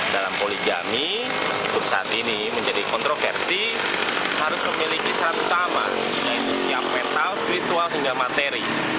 dalam poligami meskipun saat ini menjadi kontroversi harus memiliki satu tama yaitu yang mental spiritual hingga materi